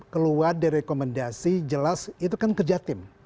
keluar dari rekomendasi jelas itu kan kerja tim